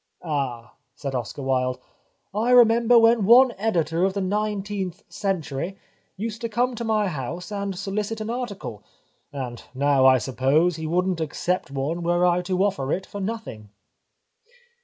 " Ah," said Oscar Wilde, " I remember when one editor of the Nineteenth Century used to come to my house and solicit an article, and now I suppose he wouldn't accept one were I to offer it for nothing."